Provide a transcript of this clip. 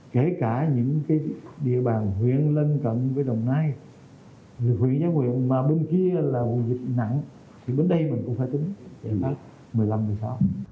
kể cả những địa bàn huyện lên cận với đồng nai huyện nhã nguyện mà bên kia là vụ dịch nặng thì bên đây mình cũng phải tính chương trình một mươi năm một mươi sáu